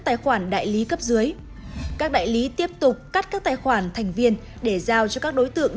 tài khoản đại lý cấp dưới các đại lý tiếp tục cắt các tài khoản thành viên để giao cho các đối tượng